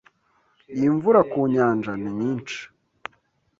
Iyi mvura ku Nyanja ni nyinshi